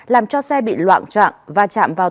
làm cho xe bị loạn trọng và chạm vào